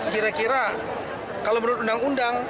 kira kira kalau menurut undang undang